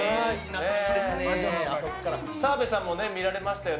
澤部さんも見られましたよね